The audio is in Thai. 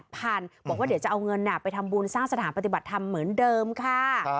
บอกว่าเดี๋ยวจะเอาเงินไปทำบุญสร้างสถานปฏิบัติธรรมเหมือนเดิมค่ะ